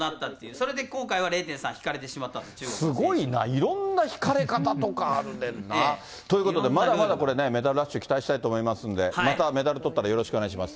それで今回は０．３引かれてしますごいな、いろんな引かれ方とか、あるねんな。ということで、まだまだこれね、メダルラッシュ期待したいと思いますんで、またメダルとったらよよろしくお願いします。